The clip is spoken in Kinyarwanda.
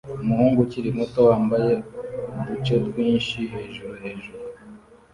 Umuhungu ukiri muto wambaye uduce twinshi hejuru hejuru